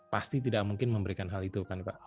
pasti tidak mungkin memberikan hal itu